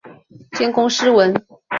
兼工诗文。